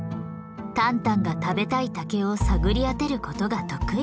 タンタンが食べたい竹を探り当てることが得意。